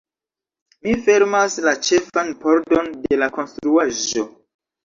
Mi fermas la ĉefan pordon de la konstruaĵo.